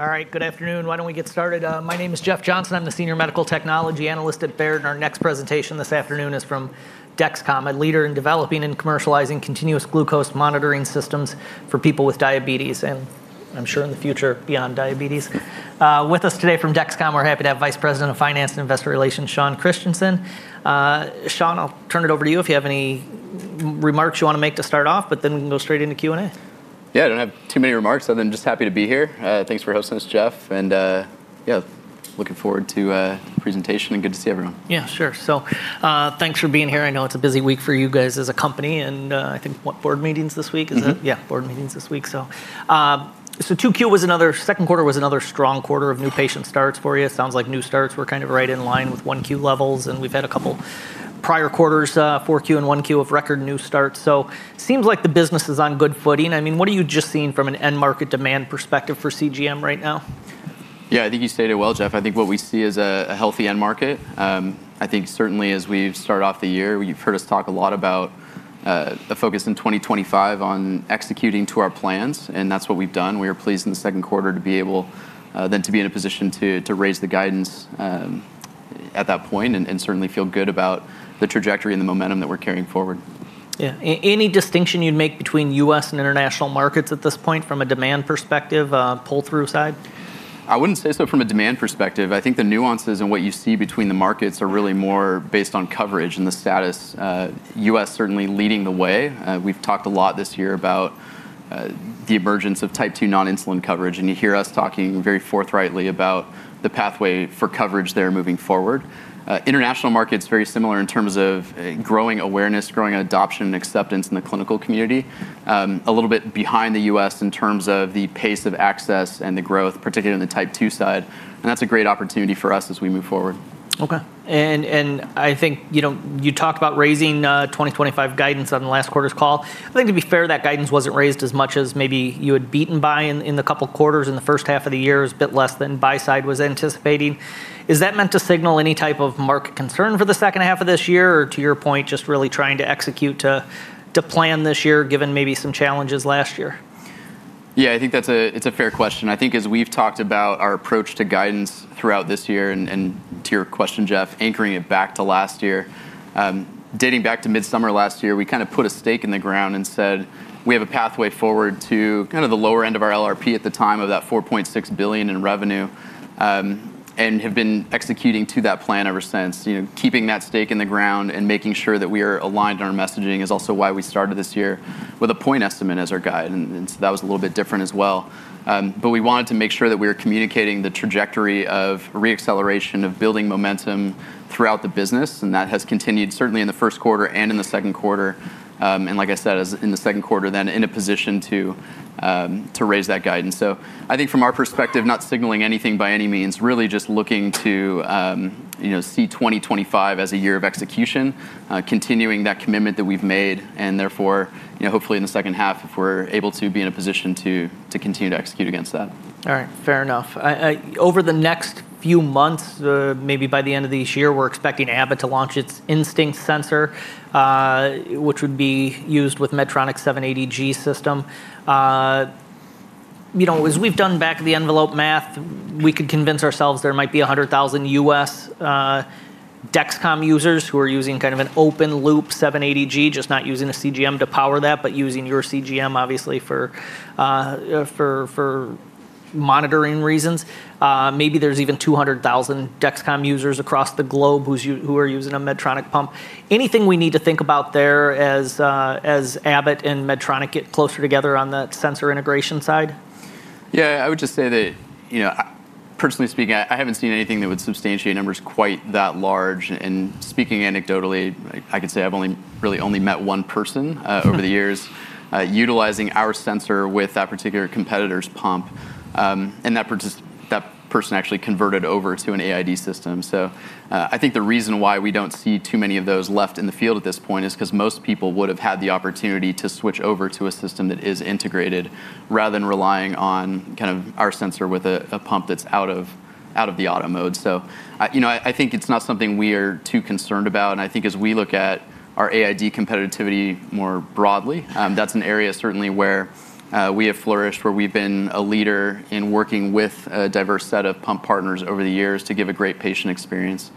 All right, good afternoon. Why don't we get started? My name is Jeff Johnson. I'm the Senior Medical Technology Analyst at Baird, and our next presentation this afternoon is from Dexcom, a leader in developing and commercializing continuous glucose monitoring systems for people with diabetes, and I'm sure in the future beyond diabetes. With us today from Dexcom, we're happy to have Vice President of Finance and Investor Relations, Sean Christensen. Sean, I'll turn it over to you if you have any remarks you want to make to start off, but then go straight into Q&A. Yeah, I don't have too many remarks. I'm just happy to be here. Thanks for hosting us, Jeff. Yeah, looking forward to the presentation and good to see everyone. Yeah, sure. Thanks for being here. I know it's a busy week for you guys as a company, and I think, what, board meetings this week? Mm-hmm. Yeah, board meetings this week. 2Q was another, second quarter was another strong quarter of new patient starts for you. Sounds like new starts were kind of right in line with 1Q levels, and we've had a couple prior quarters, 4Q and 1Q, of record new starts. It seems like the business is on good footing. I mean, what are you just seeing from an end market demand perspective for CGM right now? Yeah, I think you stated it well, Jeff. I think what we see is a healthy end market. I think certainly as we start off the year, you've heard us talk a lot about the focus in 2025 on executing to our plans, and that's what we've done. We were pleased in the second quarter to be able to be in a position to raise the guidance at that point and certainly feel good about the trajectory and the momentum that we're carrying forward. Yeah, any distinction you'd make between U.S. and international markets at this point from a demand perspective, pull-through side? I wouldn't say so from a demand perspective. I think the nuances and what you see between the markets are really more based on coverage and the status. U.S. certainly leading the way. We've talked a lot this year about the emergence of type 2 non-insulin coverage, and you hear us talking very forthrightly about the pathway for coverage there moving forward. International markets are very similar in terms of growing awareness, growing adoption, and acceptance in the clinical community, a little bit behind the U.S. in terms of the pace of access and the growth, particularly on the type 2 side. That's a great opportunity for us as we move forward. Okay. I think you talked about raising 2025 guidance on the last quarter's call. I think to be fair, that guidance wasn't raised as much as maybe you had beaten by in the couple quarters in the first half of the year, a bit less than buy side was anticipating. Is that meant to signal any type of market concern for the second half of this year or to your point, just really trying to execute to plan this year given maybe some challenges last year? Yeah, I think that's a fair question. I think as we've talked about our approach to guidance throughout this year and to your question, Jeff, anchoring it back to last year, dating back to mid-summer last year, we kind of put a stake in the ground and said we have a pathway forward to kind of the lower end of our LRP at the time of that $4.6 billion in revenue and have been executing to that plan ever since. Keeping that stake in the ground and making sure that we are aligned on our messaging is also why we started this year with a point estimate as our guide. That was a little bit different as well. We wanted to make sure that we were communicating the trajectory of re-acceleration, of building momentum throughout the business, and that has continued certainly in the first quarter and in the second quarter. Like I said, in the second quarter then in a position to raise that guidance. I think from our perspective, not signaling anything by any means, really just looking to see 2025 as a year of execution, continuing that commitment that we've made, and therefore hopefully in the second half if we're able to be in a position to continue to execute against that. All right, fair enough. Over the next few months, maybe by the end of this year, we're expecting Abbott to launch its Instinct sensor, which would be used with Medtronic's 780G system. As we've done back of the envelope math, we could convince ourselves there might be 100,000 U.S. Dexcom users who are using kind of an open-loop 780G, just not using a CGM to power that, but using your CGM obviously for monitoring reasons. Maybe there's even 200,000 Dexcom users across the globe who are using a Medtronic pump. Anything we need to think about there as Abbott and Medtronic get closer together on that sensor integration side? Yeah, I would just say that personally speaking, I haven't seen anything that would substantiate numbers quite that large. Speaking anecdotally, I could say I've really only met one person over the years utilizing our sensor with that particular competitor's pump, and that person actually converted over to an AID system. I think the reason why we don't see too many of those left in the field at this point is because most people would have had the opportunity to switch over to a system that is integrated rather than relying on kind of our sensor with a pump that's out of the auto mode. I think it's not something we are too concerned about. I think as we look at our AID competitivity more broadly, that's an area certainly where we have flourished, where we've been a leader in working with a diverse set of pump partners over the years to give a great patient experience.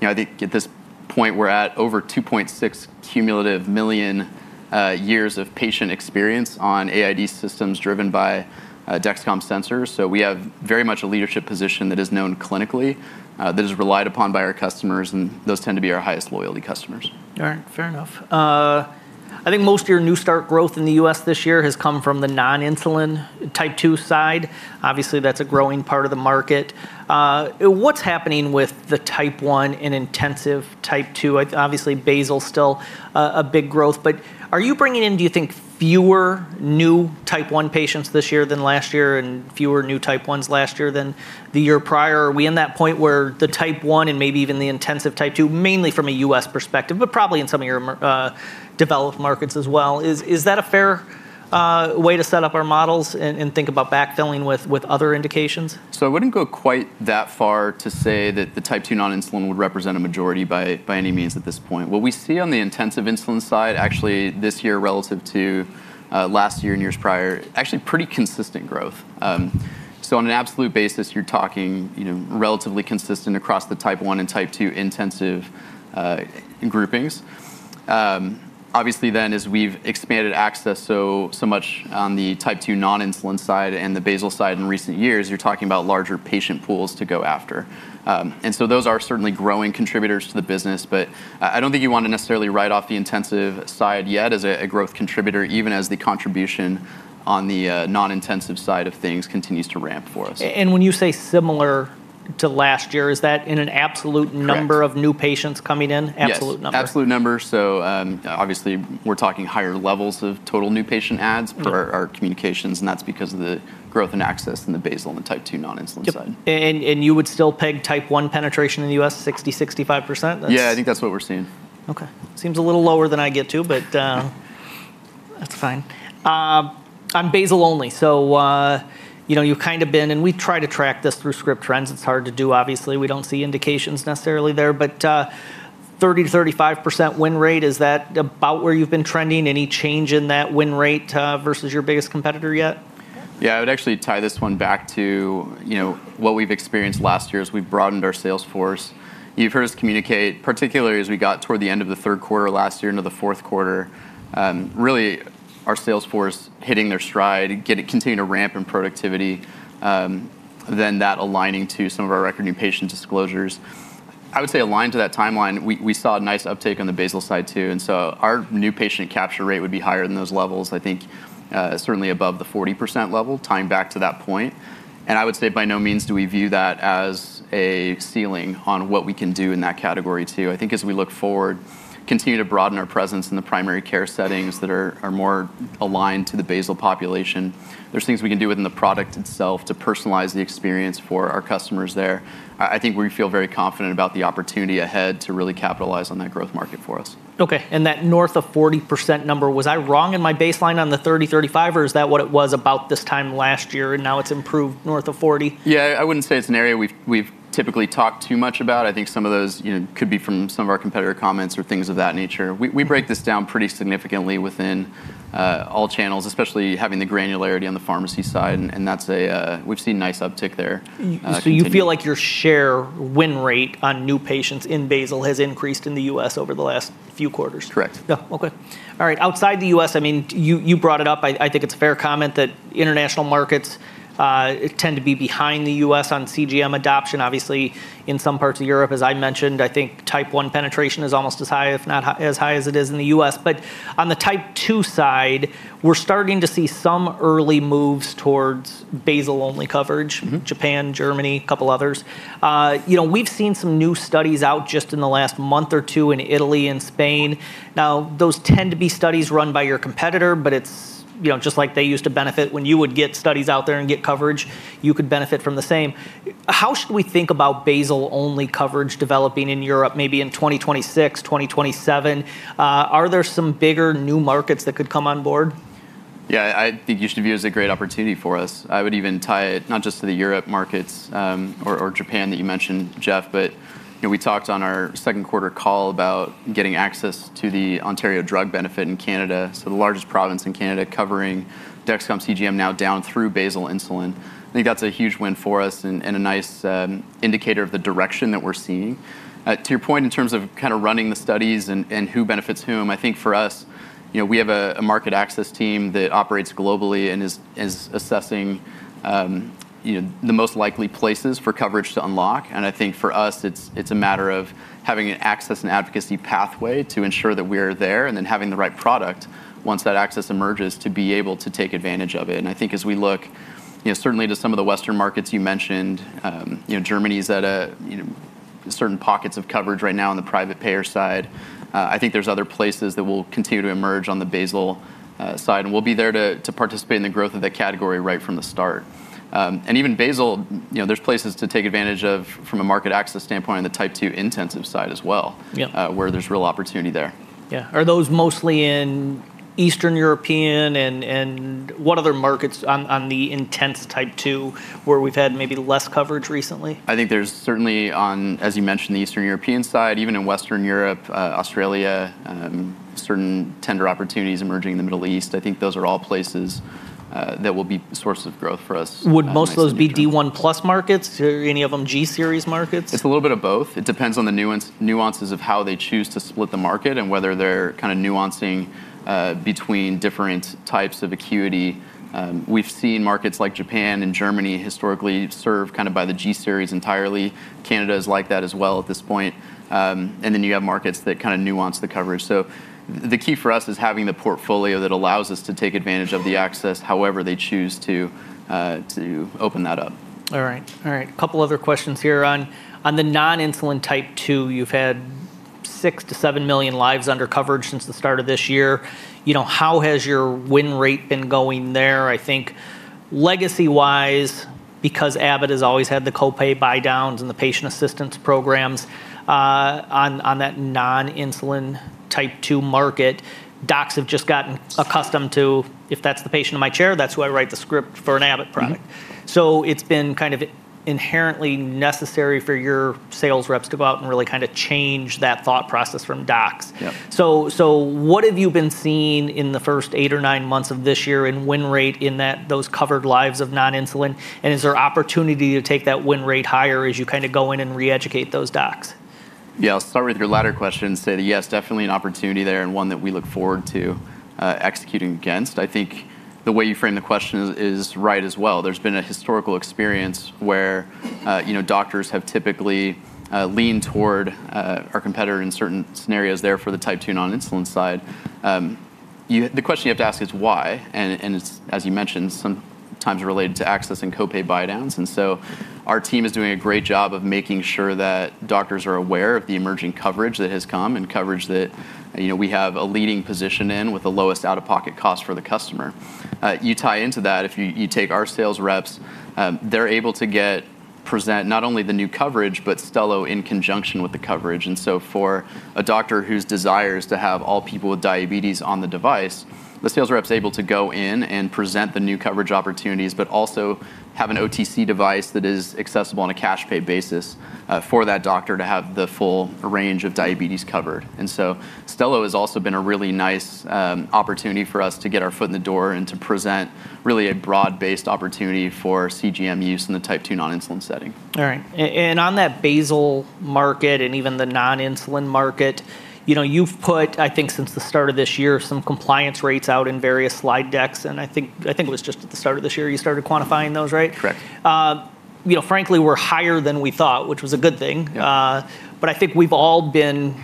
I think at this point, we're at over 2.6 million cumulative years of patient experience on AID systems driven by Dexcom sensors. We have very much a leadership position that is known clinically, that is relied upon by our customers, and those tend to be our highest loyalty customers. All right, fair enough. I think most of your new start growth in the U.S. this year has come from the non-insulin type 2 side. Obviously, that's a growing part of the market. What's happening with the type 1 and intensive type 2? Basal is still a big growth. Are you bringing in, do you think, fewer new type 1 patients this year than last year and fewer new type 1s last year than the year prior? Are we in that point where the type 1 and maybe even the intensive type 2, mainly from a U.S. perspective, but probably in some of your developed markets as well, is that a fair way to set up our models and think about backfilling with other indications? I wouldn't go quite that far to say that the type 2 non-insulin would represent a majority by any means at this point. What we see on the intensive insulin side actually this year relative to last year and years prior, actually pretty consistent growth. On an absolute basis, you're talking relatively consistent across the type 1 and type 2 intensive groupings. Obviously, as we've expanded access so much on the type 2 non-insulin side and the basal side in recent years, you're talking about larger patient pools to go after. Those are certainly growing contributors to the business. I don't think you want to necessarily write off the intensive side yet as a growth contributor, even as the contribution on the non-intensive side of things continues to ramp for us. When you say similar to last year, is that in an absolute number of new patients coming in? Absolute number. Absolute number. Obviously, we're talking higher levels of total new patient adds for our communications, and that's because of the growth in access in the basal and the type 2 non-insulin side. Would you still peg type 1 penetration in the U.S. at 60%, 65%? Yeah, I think that's what we're seeing. Okay. Seems a little lower than I get to, but that's fine. I'm basal only. You've kind of been, and we try to track this through Script Trends. It's hard to do, obviously. We don't see indications necessarily there. 30%-35% win rate, is that about where you've been trending? Any change in that win rate versus your biggest competitor yet? Yeah, I would actually tie this one back to what we've experienced last year as we broadened our sales force. You've heard us communicate, particularly as we got toward the end of the third quarter of last year into the fourth quarter, really our sales force hitting their stride, continuing to ramp in productivity, then that aligning to some of our record new patient disclosures. I would say aligned to that timeline, we saw a nice uptake on the basal side too. Our new patient capture rate would be higher than those levels, I think certainly above the 40% level, tying back to that point. By no means do we view that as a ceiling on what we can do in that category too. As we look forward, continue to broaden our presence in the primary care settings that are more aligned to the basal population. There are things we can do within the product itself to personalize the experience for our customers there. I think we feel very confident about the opportunity ahead to really capitalize on that growth market for us. Okay. That north of 40% number, was I wrong in my baseline on the 30%, 35%, or is that what it was about this time last year, and now it's improved north of 40%? Yeah, I wouldn't say it's an area we've typically talked too much about. I think some of those could be from some of our competitor comments or things of that nature. We break this down pretty significantly within all channels, especially having the granularity on the pharmacy side, and we've seen a nice uptick there. Do you feel like your share win rate on new patients in basal has increased in the U.S. over the last few quarters? Correct. Okay. All right. Outside the U.S., you brought it up. I think it's a fair comment that international markets tend to be behind the U.S. on CGM adoption. Obviously, in some parts of Europe, as I mentioned, I think type 1 penetration is almost as high, if not as high as it is in the U.S. On the type 2 side, we're starting to see some early moves towards basal-only coverage, Japan, Germany, a couple others. We've seen some new studies out just in the last month or two in Italy and Spain. Those tend to be studies run by your competitor, but it's just like they used to benefit when you would get studies out there and get coverage, you could benefit from the same. How should we think about basal-only coverage developing in Europe, maybe in 2026, 2027? Are there some bigger new markets that could come on board? Yeah, I think you should view it as a great opportunity for us. I would even tie it not just to the Europe markets or Japan that you mentioned, Jeff, but we talked on our second quarter call about getting access to the Ontario drug benefit in Canada. The largest province in Canada is covering Dexcom CGM now down through basal insulin. I think that's a huge win for us and a nice indicator of the direction that we're seeing. To your point, in terms of running the studies and who benefits whom, I think for us, we have a market access team that operates globally and is assessing the most likely places for coverage to unlock. I think for us, it's a matter of having an access and advocacy pathway to ensure that we are there and then having the right product once that access emerges to be able to take advantage of it. As we look certainly to some of the Western markets you mentioned, Germany's at certain pockets of coverage right now on the private payer side. I think there are other places that will continue to emerge on the basal side, and we'll be there to participate in the growth of that category right from the start. Even basal, there are places to take advantage of from a market access standpoint on the type 2 intensive side as well, where there's real opportunity there. Yeah. Are those mostly in Eastern Europe and what other markets on the intense type 2 where we've had maybe less coverage recently? I think there's certainly, as you mentioned, the Eastern European side, even in Western Europe, Australia, certain tender opportunities emerging in the Middle East. I think those are all places that will be sources of growth for us. Would most of those be D1+ markets? Are any of them G-series markets? It's a little bit of both. It depends on the nuances of how they choose to split the market and whether they're kind of nuancing between different types of acuity. We've seen markets like Japan and Germany historically served kind of by the G-series entirely. Canada is like that as well at this point. You have markets that kind of nuance the cover. The key for us is having the portfolio that allows us to take advantage of the access however they choose to open that up. All right. A couple other questions here on the non-insulin type 2. You've had 6 million-7 million lives under coverage since the start of this year. You know, how has your win rate been going there? I think legacy-wise, because Abbott has always had the copay buy-downs and the patient assistance programs on that non-insulin type 2 market, docs have just gotten accustomed to, if that's the patient in my chair, that's who I write the script for an Abbott product. It's been kind of inherently necessary for your sales reps to go out and really kind of change that thought process from docs. What have you been seeing in the first eight or nine months of this year in win rate in those covered lives of non-insulin? Is there opportunity to take that win rate higher as you kind of go in and re-educate those docs? Yeah, I'll start with your latter question and say that, yes, definitely an opportunity there and one that we look forward to executing against. I think the way you frame the question is right as well. There's been a historical experience where doctors have typically leaned toward our competitor in certain scenarios there for the type 2 non-insulin side. The question you have to ask is why. As you mentioned, sometimes related to access and copay buy-downs. Our team is doing a great job of making sure that doctors are aware of the emerging coverage that has come and coverage that we have a leading position in with the lowest out-of-pocket cost for the customer. You tie into that if you take our sales reps, they're able to present not only the new coverage, but Stelo in conjunction with the coverage. For a doctor whose desire is to have all people with diabetes on the device, the sales rep is able to go in and present the new coverage opportunities, but also have an OTC device that is accessible on a cash-pay basis for that doctor to have the full range of diabetes covered. Stelo has also been a really nice opportunity for us to get our foot in the door and to present really a broad-based opportunity for CGM use in the type 2 non-insulin setting. All right. On that basal market and even the non-insulin market, you've put, I think, since the start of this year, some compliance rates out in various slide decks. I think it was just at the start of this year you started quantifying those, right? Correct. Frankly, we're higher than we thought, which was a good thing. I think we've all been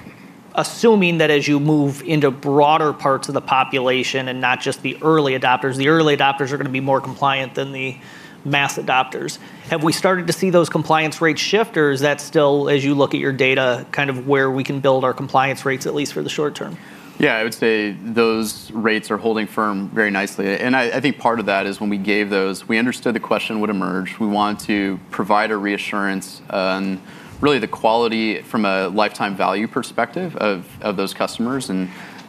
assuming that as you move into broader parts of the population and not just the early adopters, the early adopters are going to be more compliant than the mass adopters. Have we started to see those compliance rates shift, or is that still, as you look at your data, kind of where we can build our compliance rates, at least for the short term? Yeah, I would say those rates are holding firm very nicely. I think part of that is when we gave those, we understood the question would emerge. We want to provide a reassurance on really the quality from a lifetime value perspective of those customers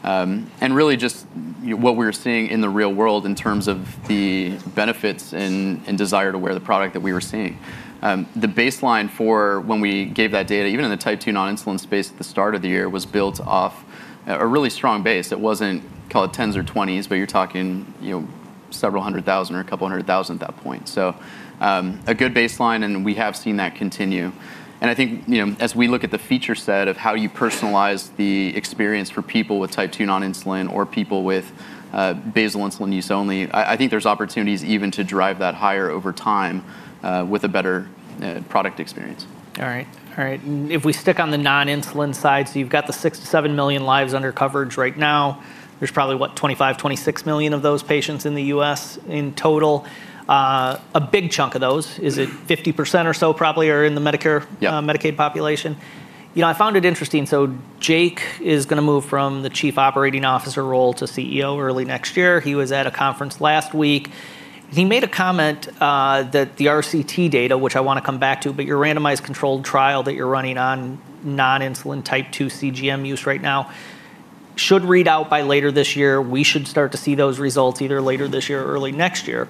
and really just what we were seeing in the real world in terms of the benefits and desire to wear the product that we were seeing. The baseline for when we gave that data, even in the type 2 non-insulin space at the start of the year, was built off a really strong base. It wasn't, call it 10s or 20s, but you're talking several hundred thousand or a couple hundred thousand at that point. A good baseline, and we have seen that continue. I think as we look at the feature set of how you personalize the experience for people with type 2 non-insulin or people with basal insulin use only, I think there's opportunities even to drive that higher over time with a better product experience. All right. If we stick on the non-insulin side, you've got the 6 million-7 million lives under coverage right now. There's probably, what, 25 million, 26 million of those patients in the U.S. in total. A big chunk of those, is it 50% or so probably, are in the Medicare Medicaid population. I found it interesting. Jake is going to move from the Chief Operating Officer role to CEO early next year. He was at a conference last week. He made a comment that the RCT data, which I want to come back to, but your randomized controlled trial that you're running on non-insulin type 2 CGM use right now should read out by later this year. We should start to see those results either later this year or early next year.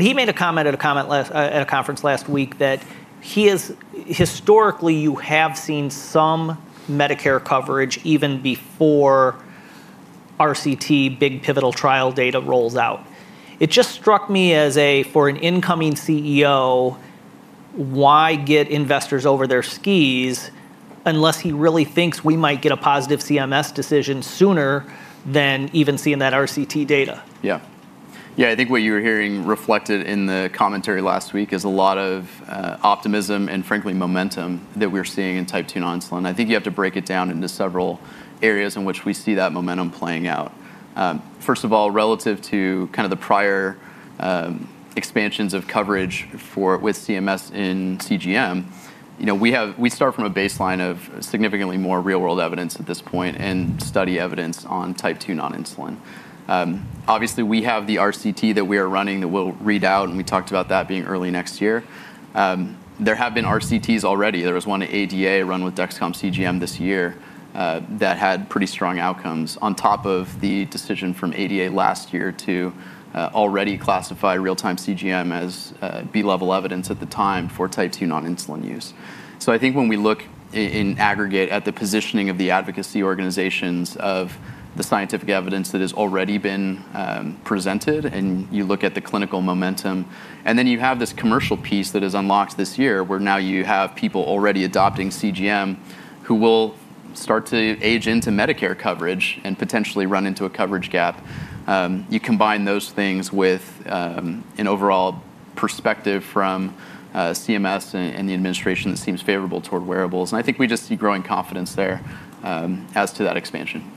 He made a comment at a conference last week that historically, you have seen some Medicare coverage even before RCT big pivotal trial data rolls out. It just struck me as, for an incoming CEO, why get investors over their skis unless he really thinks we might get a positive CMS decision sooner than even seeing that RCT data? Yeah, I think what you were hearing reflected in the commentary last week is a lot of optimism and frankly momentum that we're seeing in type 2 non-insulin. I think you have to break it down into several areas in which we see that momentum playing out. First of all, relative to kind of the prior expansions of coverage with CMS in CGM, we start from a baseline of significantly more real-world evidence at this point and study evidence on type 2 non-insulin. Obviously, we have the RCT that we are running that will read out, and we talked about that being early next year. There have been RCTs already. There was one at ADA run with Dexcom CGM this year that had pretty strong outcomes on top of the decision from ADA last year to already classify real-time CGM as B-level evidence at the time for type 2 non-insulin use. I think when we look in aggregate at the positioning of the advocacy organizations of the scientific evidence that has already been presented, and you look at the clinical momentum, and then you have this commercial piece that is unlocked this year where now you have people already adopting CGM who will start to age into Medicare coverage and potentially run into a coverage gap. You combine those things with an overall perspective from CMS and the administration that seems favorable toward wearables. I think we just see growing confidence there as to that expansion.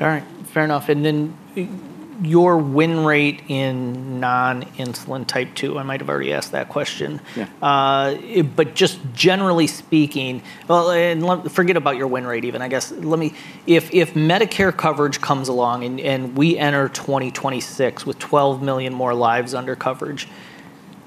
All right, fair enough. Your win rate in non-insulin type 2, I might have already asked that question. Just generally speaking, forget about your win rate even, I guess. If Medicare coverage comes along and we enter 2026 with 12 million more lives under coverage,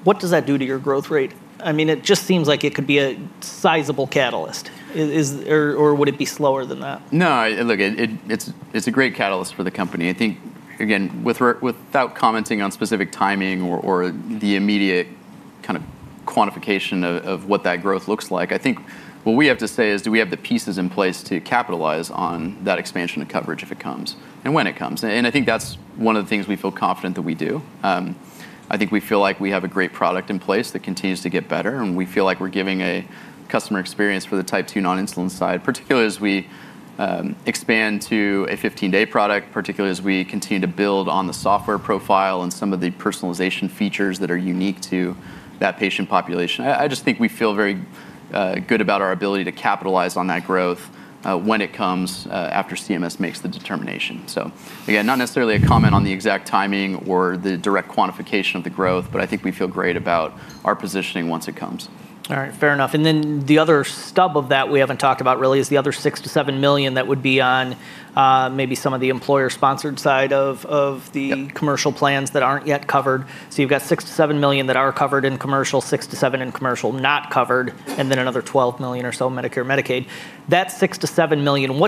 what does that do to your growth rate? It just seems like it could be a sizable catalyst. Would it be slower than that? No, look, it's a great catalyst for the company. I think, again, without commenting on specific timing or the immediate kind of quantification of what that growth looks like, I think what we have to say is do we have the pieces in place to capitalize on that expansion of coverage if it comes and when it comes. I think that's one of the things we feel confident that we do. I think we feel like we have a great product in place that continues to get better, and we feel like we're giving a customer experience for the type 2 non-insulin side, particularly as we expand to a 15-day product, particularly as we continue to build on the software profile and some of the personalization features that are unique to that patient population. I just think we feel very good about our ability to capitalize on that growth when it comes after CMS makes the determination. Not necessarily a comment on the exact timing or the direct quantification of the growth, but I think we feel great about our positioning once it comes. All right, fair enough. The other stub of that we haven't talked about really is the other 6 million-7 million that would be on maybe some of the employer-sponsored side of the commercial plans that aren't yet covered. You've got 6 million-7 million that are covered in commercial, 6 million-7 million in commercial not covered, and then another 12 million or so Medicare and Medicaid. That 6 million-7 million,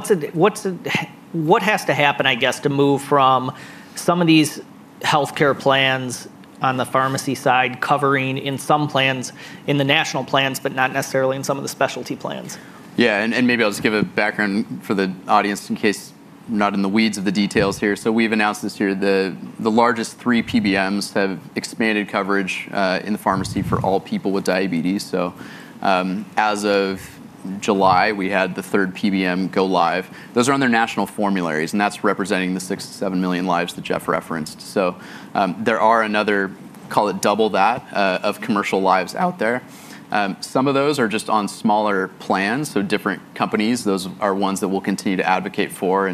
what has to happen, I guess, to move from some of these healthcare plans on the pharmacy side covering in some plans in the national plans, but not necessarily in some of the specialty plans? Yeah, maybe I'll just give a background for the audience in case we're not in the weeds of the details here. We've announced this year the largest three PBMs have expanded coverage in the pharmacy for all people with diabetes. As of July, we had the third PBM go live. Those are on their national formularies, and that's representing the 6 million-7 million lives that Jeff referenced. There are another, call it double that, of commercial lives out there. Some of those are just on smaller plans, different companies, those are ones that we'll continue to advocate for.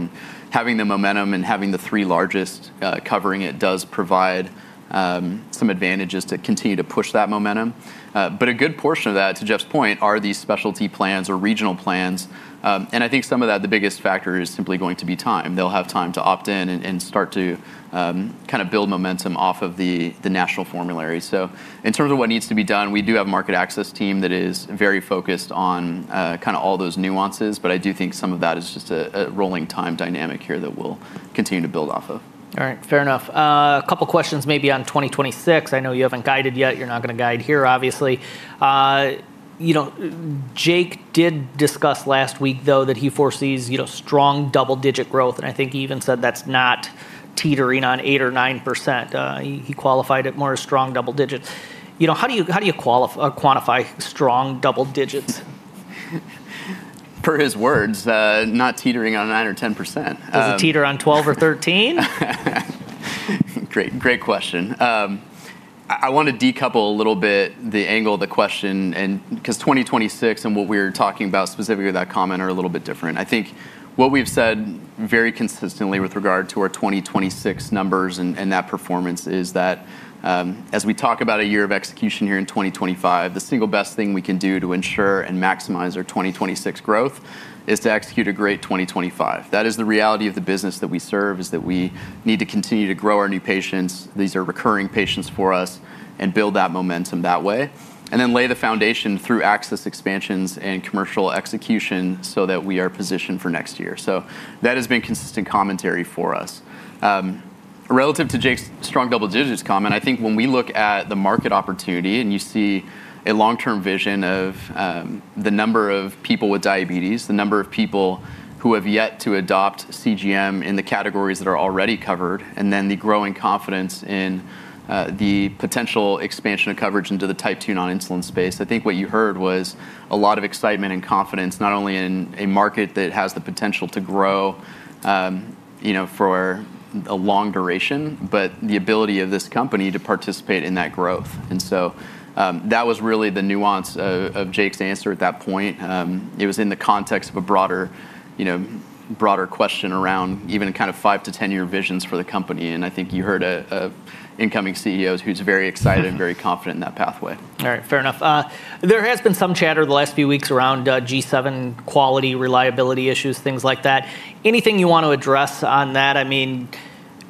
Having the momentum and having the three largest covering it does provide some advantages to continue to push that momentum. A good portion of that, to Jeff's point, are these specialty plans or regional plans. I think some of that, the biggest factor is simply going to be time. They'll have time to opt in and start to kind of build momentum off of the national formularies. In terms of what needs to be done, we do have a market access team that is very focused on all those nuances, but I do think some of that is just a rolling time dynamic here that we'll continue to build off of. All right, fair enough. A couple questions maybe on 2026. I know you haven't guided yet. You're not going to guide here, obviously. Jake did discuss last week, though, that he foresees strong double-digit growth, and I think he even said that's not teetering on 8% or 9%. He qualified it more as strong double digits. How do you quantify strong double digits? Per his words, not teetering on 9% or 10%. Does it teeter on 12% or 13%? Great question. I want to decouple a little bit the angle of the question because 2026 and what we were talking about specifically with that comment are a little bit different. I think what we've said very consistently with regard to our 2026 numbers and that performance is that as we talk about a year of execution here in 2025, the single best thing we can do to ensure and maximize our 2026 growth is to execute a great 2025. That is the reality of the business that we serve, is that we need to continue to grow our new patients. These are recurring patients for us and build that momentum that way, then lay the foundation through access expansions and commercial execution so that we are positioned for next year. That has been consistent commentary for us. Relative to Jake's strong double-digits comment, I think when we look at the market opportunity and you see a long-term vision of the number of people with diabetes, the number of people who have yet to adopt CGM in the categories that are already covered, and the growing confidence in the potential expansion of coverage into the type 2 non-insulin space, I think what you heard was a lot of excitement and confidence not only in a market that has the potential to grow for a long duration, but the ability of this company to participate in that growth. That was really the nuance of Jake's answer at that point. It was in the context of a broader question around even kind of five to 10-year visions for the company. I think you heard an incoming CEO who's very excited and very confident in that pathway. All right, fair enough. There has been some chatter the last few weeks around G7 quality, reliability issues, things like that. Anything you want to address on that? I mean,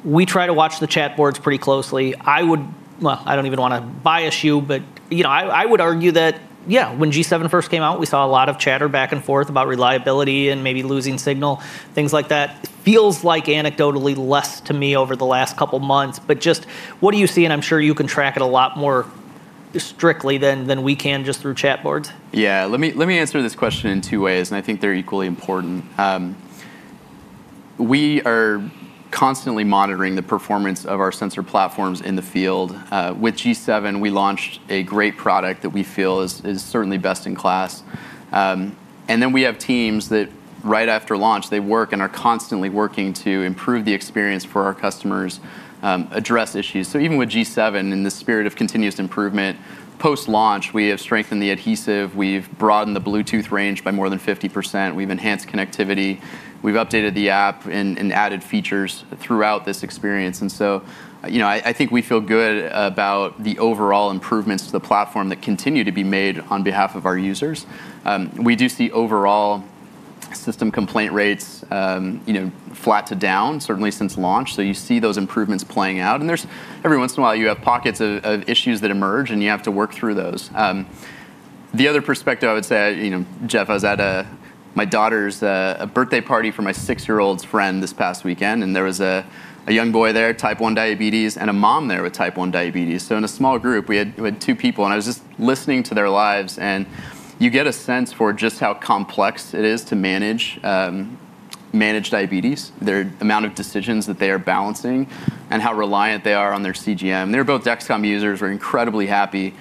we try to watch the chat boards pretty closely. I would, I don't even want to bias you, but I would argue that, yeah, when G7 first came out, we saw a lot of chatter back and forth about reliability and maybe losing signal, things like that. It feels like anecdotally less to me over the last couple months, just what do you see? I'm sure you can track it a lot more strictly than we can just through chat boards. Let me answer this question in two ways, and I think they're equally important. We are constantly monitoring the performance of our sensor platforms in the field. With G7, we launched a great product that we feel is certainly best in class. We have teams that right after launch, they work and are constantly working to improve the experience for our customers, address issues. Even with G7 in the spirit of continuous improvement, post-launch, we have strengthened the adhesive. We've broadened the Bluetooth range by more than 50%. We've enhanced connectivity. We've updated the app and added features throughout this experience. I think we feel good about the overall improvements to the platform that continue to be made on behalf of our users. We do see overall system complaint rates flat to down, certainly since launch. You see those improvements playing out. Every once in a while, you have pockets of issues that emerge, and you have to work through those. The other perspective I would say, Jeff, I was at my daughter's birthday party for my six-year-old's friend this past weekend, and there was a young boy there, type 1 diabetes, and a mom there with type 1 diabetes. In a small group, we had two people, and I was just listening to their lives, and you get a sense for just how complex it is to manage diabetes, the amount of decisions that they are balancing, and how reliant they are on their CGM. They're both Dexcom users. We're incredibly happy.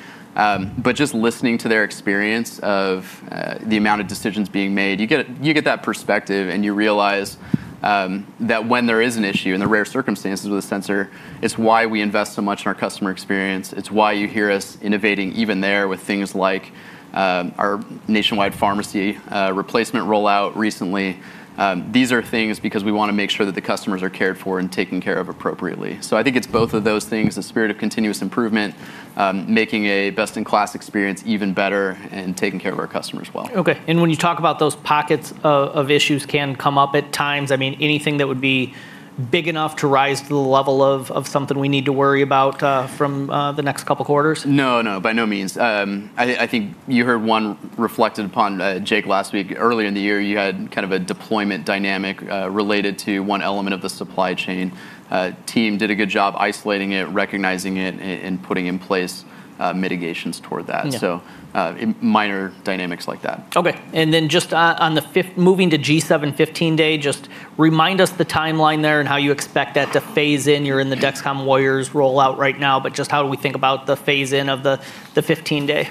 Just listening to their experience of the amount of decisions being made, you get that perspective, and you realize that when there is an issue in the rare circumstances with a sensor, it's why we invest so much in our customer experience. It's why you hear us innovating even there with things like our nationwide pharmacy replacement rollout recently. These are things because we want to make sure that the customers are cared for and taken care of appropriately. I think it's both of those things, the spirit of continuous improvement, making a best-in-class experience even better, and taking care of our customers well. Okay. When you talk about those pockets of issues that can come up at times, is there anything that would be big enough to rise to the level of something we need to worry about from the next couple quarters? No, by no means. I think you heard one reflected upon Jake last week. Earlier in the year, you had kind of a deployment dynamic related to one element of the supply chain. The team did a good job isolating it, recognizing it, and putting in place mitigations toward that. Minor dynamics like that. Okay. Just on the fifth, moving to G7 15-day, remind us the timeline there and how you expect that to phase in. You're in the Dexcom Warriors rollout right now, but how do we think about the phase in of the 15-day?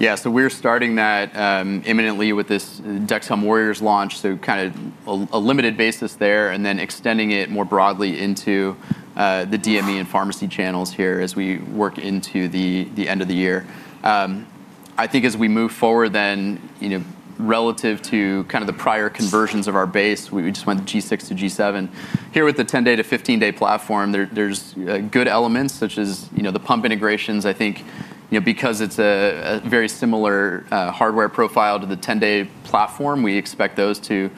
Yeah, so we're starting that imminently with this Dexcom Warriors launch, so kind of a limited basis there, and then extending it more broadly into the DME and pharmacy channels here as we work into the end of the year. I think as we move forward, relative to kind of the prior conversions of our base, we just went G6 to G7. Here with the 10-day to 15-day platform, there's good elements such as the pump integrations. I think because it's a very similar hardware profile to the 10-day platform, we expect those to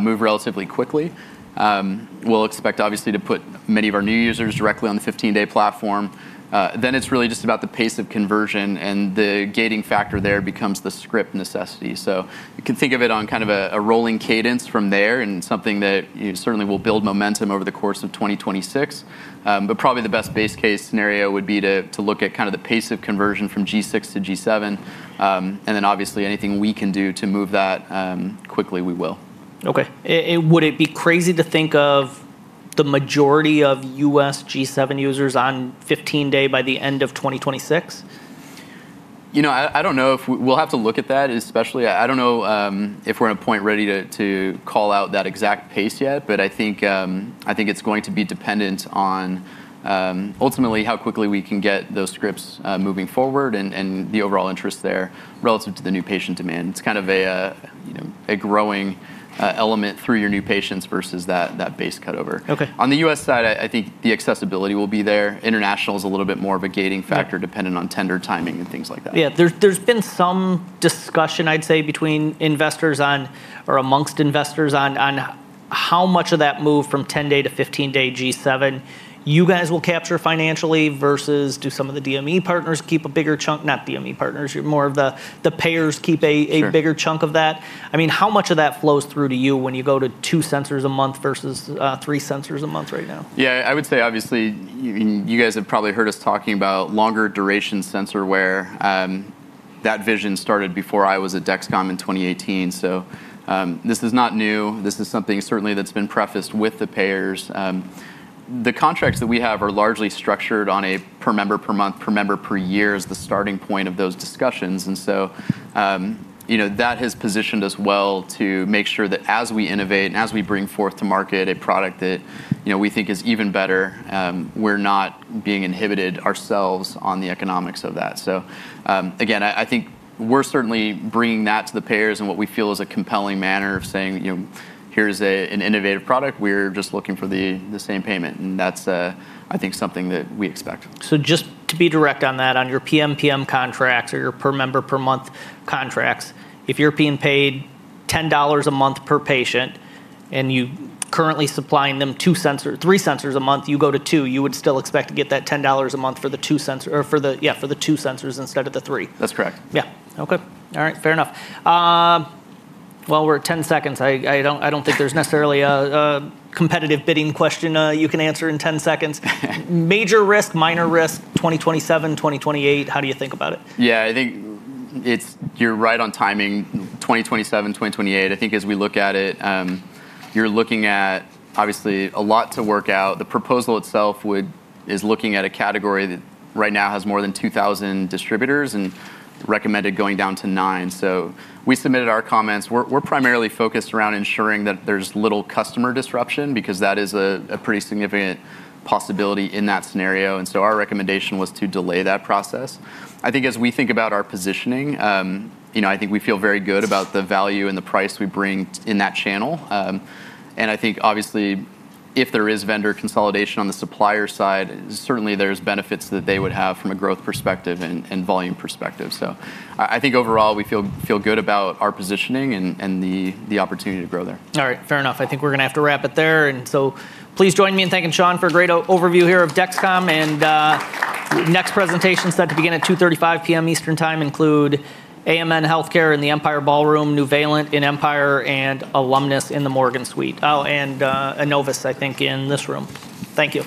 move relatively quickly. We'll expect obviously to put many of our new users directly on the 15-day platform. It's really just about the pace of conversion, and the gating factor there becomes the script necessity. You can think of it on kind of a rolling cadence from there, and something that certainly will build momentum over the course of 2026. Probably the best base case scenario would be to look at kind of the pace of conversion from G6 to G7, and then obviously anything we can do to move that quickly, we will. Okay. Would it be crazy to think of the majority of U.S. G7 users on 15-day by the end of 2026? I don't know if we'll have to look at that, especially I don't know if we're at a point ready to call out that exact pace yet, but I think it's going to be dependent on ultimately how quickly we can get those scripts moving forward and the overall interest there relative to the new patient demand. It's kind of a growing element through your new patients versus that base cutover. On the U.S. side, I think the accessibility will be there. International is a little bit more of a gating factor, dependent on tender timing and things like that. Yeah, there's been some discussion, I'd say, among investors on how much of that move from 10-day to 15-day G7 you guys will capture financially versus do some of the payers keep a bigger chunk. I mean, how much of that flows through to you when you go to two sensors a month versus three sensors a month right now? Yeah, I would say obviously you guys have probably heard us talking about longer duration sensor wear. That vision started before I was at Dexcom in 2018. This is not new. This is something certainly that's been prefaced with the payers. The contracts that we have are largely structured on a per-member-per-month, per-member-per-year as the starting point of those discussions. That has positioned us well to make sure that as we innovate and as we bring forth to market a product that we think is even better, we're not being inhibited ourselves on the economics of that. I think we're certainly bringing that to the payers in what we feel is a compelling manner of saying, here's an innovative product. We're just looking for the same payment. That's, I think, something that we expect. Just to be direct on that, on your per-member-per-month contracts, if you're being paid $10 a month per patient and you're currently supplying them two sensors, three sensors a month, you go to two, you would still expect to get that $10 a month for the two sensors instead of the three. That's correct. Okay. All right, fair enough. We're at 10 seconds. I don't think there's necessarily a competitive bidding question you can answer in 10 seconds. Major risk, minor risk, 2027, 2028, how do you think about it? Yeah, I think you're right on timing. 2027, 2028, I think as we look at it, you're looking at obviously a lot to work out. The proposal itself is looking at a category that right now has more than 2,000 distributors and recommended going down to nine. We submitted our comments. We're primarily focused around ensuring that there's little customer disruption because that is a pretty significant possibility in that scenario. Our recommendation was to delay that process. I think as we think about our positioning, I think we feel very good about the value and the price we bring in that channel. I think obviously if there is vendor consolidation on the supplier side, certainly there's benefits that they would have from a growth perspective and volume perspective. I think overall we feel good about our positioning and the opportunity to grow there. All right, fair enough. I think we're going to have to wrap it there. Please join me in thanking Sean for a great overview here of Dexcom. Next presentation set to begin at 2:35 P.M. Eastern Time includes AMN Healthcare in the Empire Ballroom, New Valent in Empire, and Alumnis in the Morgan Suite. Oh, and a Novus, I think, in this room. Thank you.